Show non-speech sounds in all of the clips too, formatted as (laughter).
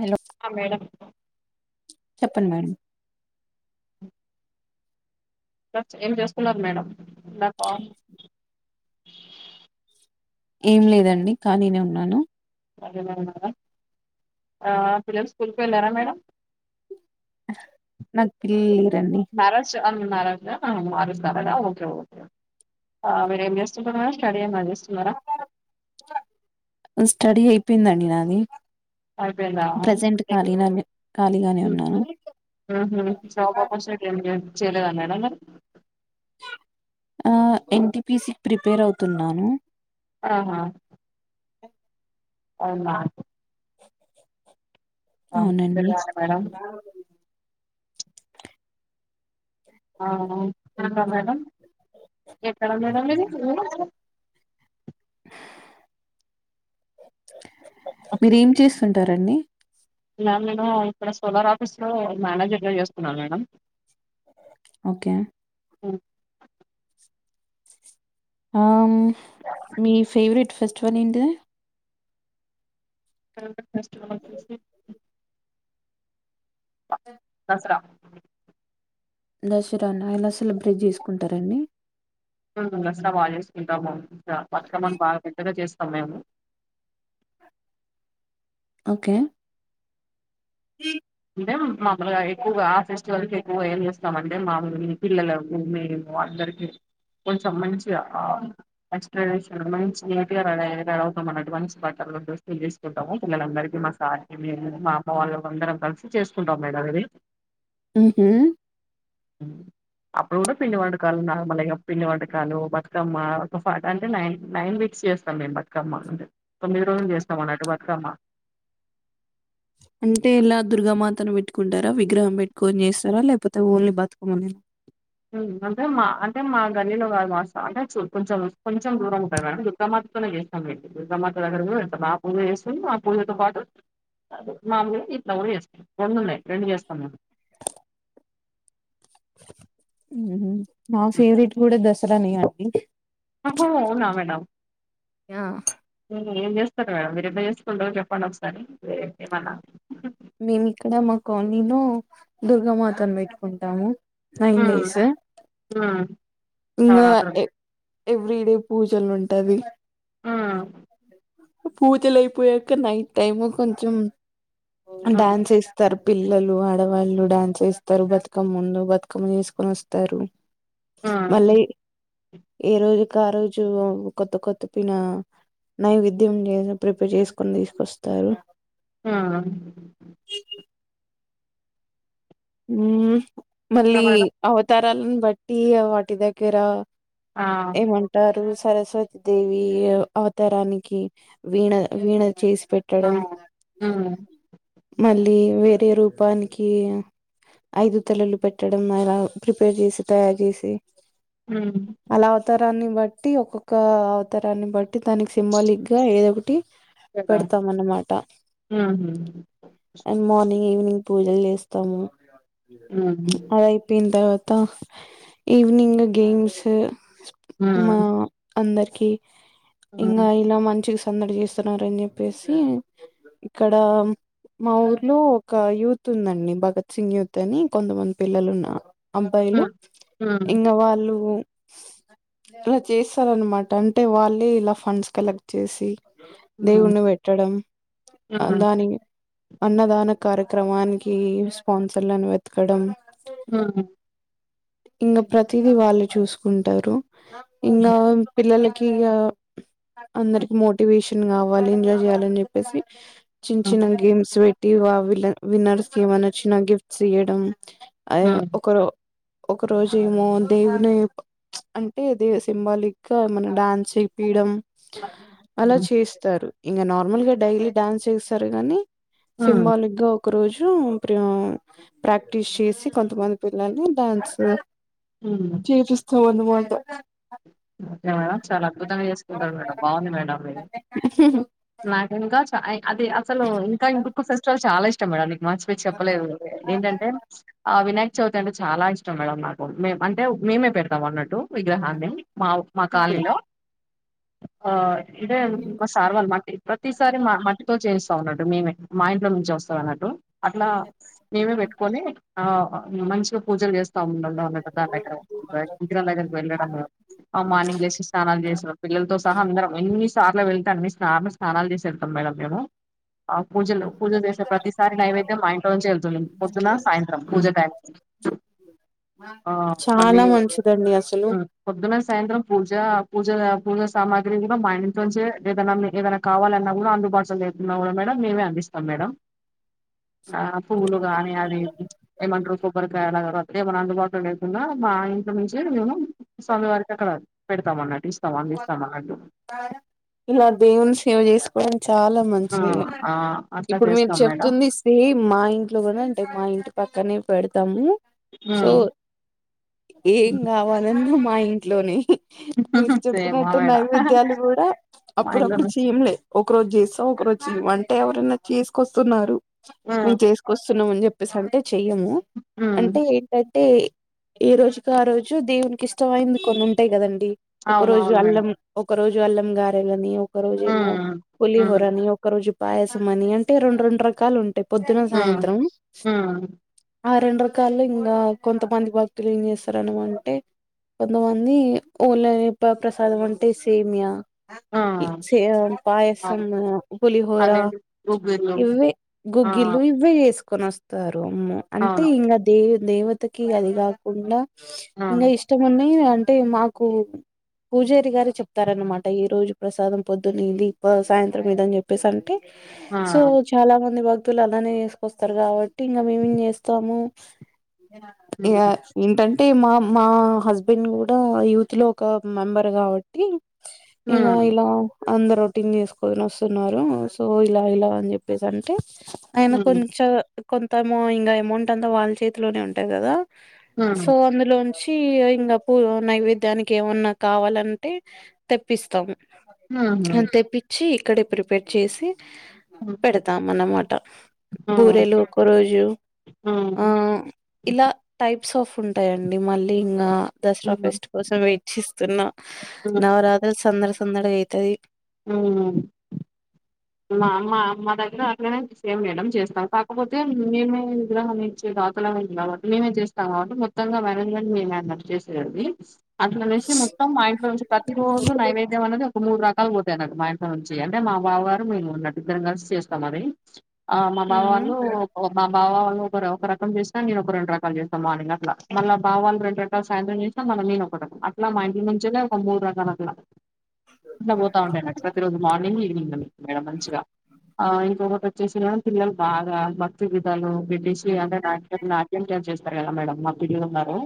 Hello ఆ madam చెప్పండి madam ఏం చేస్తున్నారు మేడం నాకు ఏం లేదండి కానీనే ఉన్నాను కాలీనే ఉన్నారా ఆ పిల్లలు స్కూల్కి వెళ్ళారా మేడం నాకు పిల్లలు లేరండి అవును (unintelligible) అరుస్తారు కదా ఒకే ఓకె ఆ మీరు ఏం చేస్తున్నారు మేడం స్టడీ ఏమన్న చేస్తున్నారా స్టడీ అయిపోయిందండి నాది అయిపోయిందా ప్రజెంట్ ఖాళీనే అండి కలిగానే ఉన్నాను హ్మ్ హు జాబ్ అపర్చునిటి ఏం లేదా చేయలేదన్న మేడం మరి ఆ ఎన్టీపిసి ప్రిపేర్ అవుతున్నాను ఆహా అవునా ఆ! అవునండి తెలియాలి మేడం అ అవును (unintelligible) మేడం ఎక్కడ మేడం మీది (unintelligible) మీరేం చేస్తుంటారండి మ్యామ్ నేను ఇక్కడ సోలార్ ఆఫీస్లో మేనేజర్గా చేస్తున్నాను మేడం ఓకే మ్మ్ ఆ మీ ఫేవరెట్ ఫెస్టివల్ ఏంటది మనందరం ఫెస్టివల్ చేసి దసరా దసరాను ఎలా సెలబ్రేట్ చేసుకుంటారండి ఉంటుంది దసరా బాగా చేసుకుంటాము ఇంగ బతుకమ్మ నీ బాగా పెద్దగా చేస్ స్తాం మేము ఓకే ఇ తే మామూలుగా ఎక్కువగా ఆ ఫెస్టివల్ కి ఎక్కువగా ఏం చేస్తామంటే మాములు గా ఈ పిల్లలు మేము అందర్ టికి కొంచెం మంచిగా ఆ ఎక్స్ప్లనేషన్ మంచి నీట్ గా (unintelligible) అవుతాం అన్నటు మంచి మాట మనం ఫెస్టివల్ చేసుకుంటాము పిల్లందరికి మా సార్ మేము మా అమ్మ వాళ్ళము అందరం కలిసి చేసుకుంటాం మేడం ఇది మ్మ్ హు మ్మ్ అప్పుడు కూడా పిండి వంటకాలు నార్మల్ ఏగ పిండి వంటకాలు బతుకమ్మ ఒక ఫట అంటే నైన్ నైన్ ఫిక్స్ చేస్తాం మేము బతుకమ్మా అంటే తొమ్మిది రోజులు చేస్తాం అన్నట్టు బతుకమ్మా అంటే ఇలా దుర్గామాతను పెట్టుకుంటారా విగ్రహం పెట్టుకొని చేస్తారా లేకపోతే ఓన్లీ బతుకమ్మని మ్మ్ అంటే మా అంటే మా గల్లీలో కాదు మాస అంటే చి కొంచెం కొంచెం దూరం ఉంటుంది దుర్గామాత (unintelligible) తోనే చేస్తాం అండి దుర్గామాత దగ్గర లో మా పూజ చేస్తుంది మా పూజలతో పాటు మా ఊరికి (unintelligible) రొండు ఉన్నాయి రెండు చేస్తాం హ్మ్ హు నా ఫేవరెట్ కూడా దసరా నే అండి అ హో అవునా మేడం ఆ ఏం జేస్తరు మేడం మీరెట్ల జేసుకుంటరో చెప్పండి ఒకసారి ఏమన్నా మేమిక్కడ మా కాలనీలో దుర్గామాతను పెట్టుకుంటాము నైన్ హ్మ్. డేస్ హ్మ్. ఇంగా నవరాత్రులు. ఎ ఎవ్రీ డే పూజలుంటది హ్మ్. పూజలైపోయాక నైట్ టైమ్ కొంచెం హ్మ్. డ్యాన్స్ ఏస్తారు పిల్లలు, ఆడవాళ్ళు డ్యాన్స్ ఏస్తరు, బతుకమ్మ ముందు బతుకమ్మ జేసుకొనొస్తారు మళ్ళ హ్మ్. ఇ ఏ రోజుకారోజు కొత్త కొత్త పిన నైవిద్ ధ్యం జేస ప్రిపేర్ చేసుకొని తీసుకొస్తారు హ్మ్. ఉమ్ ఇంకా మళ్ళీ మేడం? అవతారాలన్ బట్టి వాటి దగ్గరా ఆ! ఏమంటారు స్ సరస్వతి దేవి అవ్ అవతారానికి వీణ వీణ చేసి ఆ! పెట్టడం హ్మ్. మళ్ళీ వేరే రూపానికి ఐదు తలలు పెట్టడం అలా ప్రిపేర్ జేసి తయారు జేసి హ్మ్. అలా అవతార రాన్ని బట్టి ఒక్కొక్క అవతారన్ని బట్టి దానికి సింబాలిక్ గా ఏదొకటి కదా! పెడతాం అన్నమాట హుహు. అండ్ మార్నింగ్ ఈవినింగ్ పూజలు జేస్తాము హ్మ్. అదయిపోయిన్తర్వాత్ త ఈవినింగ్ గేమ్స్ హ్మ్. మా అందరికి హ్మ్. హ్మ్. ఇంగా ఇలా మంచిగస్ సందడి జేస్తున్నారని జెప్పేసి ఇక్కడా మా ఊర్లో ఒక యూత్ ఉందండి భగత్ సింగ్ యూతని కొంతమంది పిల్లలు ఉన్నా హ్మ్. అబ్బాలు హ్మ్. ఇంగ వాళ్ళు ఇలా చేస్తారన్నమాట అంటే వాళ్ళే ఇలా ఫండ్స్ కలెక్ట్ జేసి హ్మ్. దేవున్ని పెట్టడం ఆ హ్మ్. దానికి అన్నదాన కార్యక్రమానికి స్పాన్సర్లను వెతకడం ఆ ఇంగ ప్రతీది వాల్లే చూసుకుంటరు ఇంగా హ్మ్. పిల్లలక్ కి గా అందరికి మోటివేషన్ గావాలి ఎంజాయ్ చేయ్యాలన్ జెప్పేసి చిన్ హ్మ్. చిన్న గేమ్స్ పెట్టి వావిల విన్నర్స్ ఏమైనచ్చిన గిఫ్ట్స్ ఇయడం అయో ఒకరో ఒక రోజేమొ దేవునీ అంటే దే సింబాలిక్ గా ఎమన డాన్సేపియడం అలా హ్మ్. చేస్తారు ఇంగ నార్మల్ గా డైలీ డ్యాన్స్ చేస్తారు గని హ్మ్. సింబాలిక్ గా ఒక్ ఒక రోజు ప్రీ ప్రాక్టీస్ చేసి కొంతమంది పిల్లల్ని డ్యాన్స్ హ్మ్. చేేపిస్తవన్నమాట ఓకే మేడం చాలా అద్భుతంగా జేసుకుంటరు మేడం బాగుంది మేడం మీరు నాకు ఇంకా చా అది అసలు ఇంకా ఇంకొక ఫెస్టివల్ చాలా ఇష్టం మేడం మార్చిపోయ్ చెప్పలేదు ఏంటంటే ఆ వినాయక్ చవితి అంటే చాలా ఇష్టం మేడం నాకు, మే అంటే మేమే పెడతాం అన్నట్టు విగ్రహాన్ని మా ఉప్మా కాలనీలో ఆ ఇదే మా సార్వళ్ల్ మట్టి ప్రతిసారి మ మట్టితో చేస్ స్తామన్నట్టు మే మే, మా ఇంట్లో నుంచే వస్తదన్నట్టు అట్లా మేమే పెట్టుకొని ఆ మంచిగా పూజలు చేస్తా ఉండడం అన్నట దాని దగ్గర ఉ ఇకిర దగ్గరకి వెళ్ళడమ అ మార్నింగ్లేసి స్నానాలు జేసేవాళ్ళం పిల్లలతో సహా అందరం ఎన్ని సార్లో వెళ్తాను మీ స్నా మీ స్నానాలు చేసి ఎళ్తాం మేడం మేము ఆ పూజలు పూజ చేసే ప్రతిసారి నైవేద్యం మా ఇంట్లో నుంచే వెళ్తుంది పొద్దున సాయంత్రం పూజ టైం అ చాలా మంచిదండి అసలు ఆ! పొద్దున సాయంత్రం పూజ పూజ పూజ సామాగ్రి కూడా మా ఇంట్లోంచే ఏదన్నా ఏదైనా కావాలన్నా కూడా అందుబాటులో లేకున్నా కూడా మేడం మేమే అందిస్తాం మేడం ఆ పూలు గానీ అదిఇది ఏమంట్రు కొబ్బరికాయలు అగర్ ఏమన్నా అందుబాటులో లేకున్నా మా ఇంట్లోనుంచే మేము స్వామివారికి అక్కడ పెడతాం అన్నటు ఇలా దేవుని సేవ చేసుకోవడం చాలా ఆ మంచిదే ఆ అట్లా ఇప్పుడు మీరు చేస్తాం మేడం చెప్తుంది సేమ్ మా ఇంట్లో కూడా అంటే మా ఇంటి ప పక్కనే పెడతాము సో ఉమ్ ఏం కావాలన్నా మా ఇంట్లోనే హాహా సేమ్ ఆ పాటు మేడం నైవేద్యాలు కూడా మా ఇంట్లో అప్పుడప్పుడు నుంచి చేయంలే ఒక రోజు చేస్తాం ఒక రోజు చే వంట ఎవరనా చేసుకొస్తున్నారు మేము ఉమ్ చేసుకొస్తున్నాం అని చెప్పేసి అంటే చెయ్యము ఉమ్ అంటే ఏంటం టే ఏ రోజుకి ఆ రోజు దేవునికి ఇష్టమైంది కొన్ని ఉంటాయి కదండి ఒక అవును రోజు అవును మేడం అల్లం ఒక రోజు అల్లం గారేళని ఒక రోజేమో ఉమ్ పులిహోర ఉమ్ అని ఒక రోజు పాయసమని అంటే రెండు రెండు రకాలు ఉంటాయి పొద్దున ఉమ్ సాయంత్రం ఉమ్ ఆ రెండు రకాల్లో ఇంగా కొంతమంది భక్తులు ఏం చేస్తారనం అంటే కొంతమంది ఓన్లైనిప్ప ప్రసాదం అంటే సేమియా ఉమ్ సేమ్ పాయసం అవును పులిహోర అవేంటి గుగ్గుర్లు ఇవే ఆ గుగ్గిళ్ళు ఇవే చేసు కొనొస్తారు అమ్మో అంటే అవును ఇంకా దే దేవతకి అది కాకుండా ఇంకా అవును ఇష్టం ఉన్నాయి అంటే మాకు పూజారి గారు చెప్తారనమాట ఈరోజు ప్రసాదం పొద్దున్న ఇది సాయంత్రం ఇదని చెప్పేసి అంటే ఆ సో చాలామంది భక్ త్తులు అలానే చేసుకొస్తారు కాబట్టి ఇంకా మేమేం చేస్తాము ఇగ హ్మ్ ఏంటంటే మా మా హస్బెండ్ కూడా యూత్‌లో ఒక మెంబర్ కాబట్టి ఇంగా హ్మ్ ఇలా అందరు రొటీన్ చేసుకొని వస్తున్నారు సో ఇలా ఇలా అని చెప్పేసి అంటే ఆయన హ్మ్ కొంచె కొంతము ఇంకా అమౌంట్ అంతా వాళ్ళ చేతిలోనే ఉంటాయి కదా హ్మ్ సో హుహు. అందులోంచి ఇంకా పూ నైవేద్యానికి ఏమన్నా కావాలంటే తెప్పిస్తాము హ్మ్ అది హ్మ్ తెప్పిచి ఇక్కడే ప్రిపేర్ చేసి పెడతాం అనమా బూరెలు ఒక రోజు ఆ హ్మ్ ఇలా టైప్ స్ ఆఫ్ ఉంటాయండి మళ్ళీ ఇంగా దసరా ఫెస్ట్ కోసం వెయిట్ చేస్తున్నా హ్మ్ నవరాత్రలు సందడి సందడిగా అయితది హ్మ్ మామ్ మా మా దగ్గర అట్లనే సేమ్ మేడం చేస్తాం కాకపోతే మేము విగ్రహాన్ని ఇచ్చేట అవతలయం కాబట్టి మేమే చేస్తాం కాబట్టి మొత్తంగా మేనేజ్మెంట్ మేమే అన్నట్టు చేసేడిది అట్లనేసి మొత్తం మా ఇంట్లో నుంచి ప్రతి రోజు నైవేద్యం అన్నది ఓ మూడు రకాలు పోతాయి అన్నట్టు మా ఇంట్లో నుంచి అంటే మా బావ గారు మేము ఉన్నట్టు ఇద్దరం కలిసి చేస్తాం మరి ఆ మా మ్మ్ బావలు మామ్ బావా వాళ్ళు ఒక రకం చేసినా నేను ఒక రెండు రకాలు చేస్తా మార్నింగ్ అట్లా మల్ల బావా వాళ్ళు రెండు రకాలు సాయంత్రం చేసిన మ ల్ల నేనొక రకం అట్లా మా ఇంట్లోనుంచేనే ఒక మూడు రకాలు అట్లా ఎట్లా పోతా ఉంటాయిన్ ప్రతి రోజు మార్నింగ్ ఈవినింగ్ అని మేడం మంచిగా ఆ ఇంకొకటి వచ్చేసిన పిల్లలు బాగా భక్తి విధాలు బిటీషీ అంటే నాట్యం నాట్యం డాన్స్ చే ఉంటారు కదా మేడం మా పిల్లులు ఉన్నారు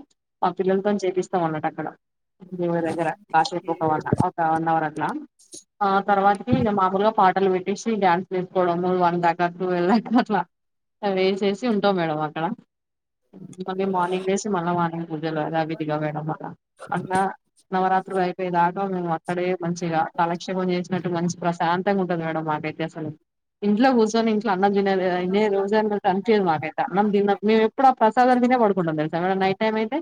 మా పిల్లలతో చేపిస్తాం అన్నట్టు అక్కడ దేవురు దగ్గర కాసేపు ఒక వన్న ఒక వన్వర్ అ ట్ల ఆ తర్వాతకి ఇగ మామూలుగా పాటలు పెట్టేసి డ్యాన్సులు ఏసుకోవడము వన్ దాకా టులావ్ దాకా అట్లా ఆ వేచేసి ఉంటామ్ మేడం అక్కడ మళ్ళీ మార్నింగ్ వేసి మళ్ళ మార్నింగ్ పూజలు ఆద విధిగా వేడం మ అ నవరాత్ర త్ర అయిపో దాకా మేము అక్కడే మంచిగా కలక్షేపం చేసినట్టు మంచి ప్రశాంత గా ఉంటుంది మేడం మాకైతే అసలు ఇంట్లో కూర్చొని అన్నం తినేదే రోజు కనిదు మాకైతే అన్నం తినం మేము ఎప్పు ఆ ప్రసాదాలు తినే పడుకుంటాం తె నిట్ టైమ్ అయితే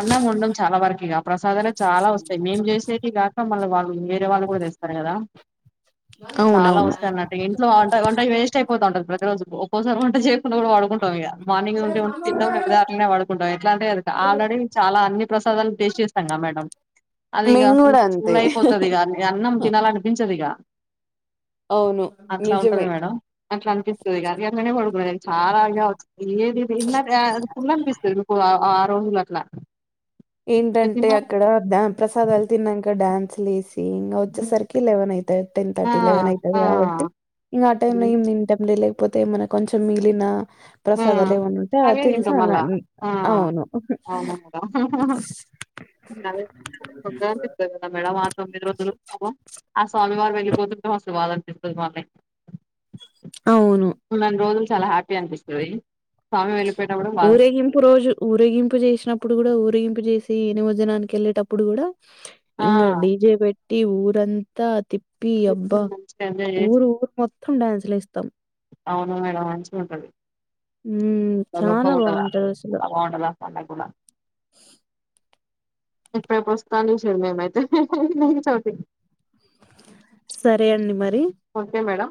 అన్నం ఉండం చాలా వరకు ఇక ప్రసాదాలే చాలా వస్తాయి మేం చేసేవి కాక మళ్ళీ వాళ్ళు వేరే వాళ్ళు కూడా చేస్తారు కదా చాలా అవునవును వస్తాయి అన్నట్టు ఇంట్లో వంట వంటయి వేస్ట్ అయిపోతా ఉంటది ప్రతిరోజు ఒక్కోసారి వంట చేకుండా కూడా వాడుకుంటాం ఇగా మార్నింగ్ నుండి ఉండి తిండాం నిబదటలనే వాడుకుంటాం ఎట్లా అంటే అ ఆల్రెడీ చాలా అన్ని ప్రసాదాలు టేస్ చేస్తాంగా మేడం అదిక మేము కూడా చూల అంతే అయిపోతుది ఇక అన్నం తినాల అనిపించదు ఇక అవును అట్లా ఉంటది నిజమే మేడం అట్లా అనిపిస్తది గానీ అట్లనే పడుకునే చాలా వంది ఏదిది ఫుల్ అనిపిస్తుంది మీకు ఆ రోజులు అట్లా ఇక ఏంటంటే తినాలి అక్కడ ప్రసాదాలు తిన్నాక డ్యాన్స్ లేసి ఇంకా వచ్చసార్కి లేవన్ అవుయితే టెన్ ఆ థర్టీ లేవన్ అయితాది ఆ కాబట్టి ఇంకా ఆ టైమ్ లో ఏమి తింటామ్ లేకపోతే ఏ మైన కొంచెం మిగిలిన ఆ ప్రసాద లేవున్నా ఉంటె అవే తినిసి తింటాం మళ్ళా అవును ఆహా మేడ ఆ తొమ్మిది రోజలు ఆ స్వామి వారి పోతు మా వాద అనిపిస్తుంది మళ్ని అవును న రోజులు చాలా హ్యాపీ అనిపిస్తది స్వామి వెళ్ళిపోయేటప్పుడు బాధ అనిపిస్తది ఊరేగింపు రోజు ఊరేగింపు చేసినప్పుడు ఇప్పుడు కూడా ఊరిగింపు చేసి ఎనిమజనానికి వెళ్ళేటప్పుడు కూడా ఆ ఇంకా డీజే పెట్ టి ఊరంతా తిప్ప అప్పి ట్రిప్‌ని అబ్బా మంచిగా ఎంజాయ్ చేసి ఊరు ఊరు మొత్తం డ్యాన్సులు వేస్తారు అవును మేడం మంచిగా ఉంటది మ్మ్ చాలా దుఃఖం ఉండద బాగుంటది అసలు అభ ఉండద పండకూడా రేపు పస్తతనే శైలు నేను అయితే నీతోటి సరే అండి మరి ఓకే మేడం